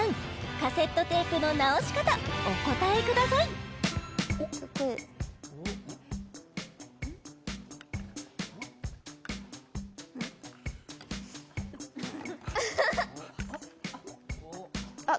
カセットテープの直し方お答えくださいあっ